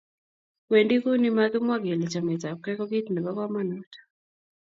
Wendi Kuni makimwa kele chametabgei ko kit nebo komonut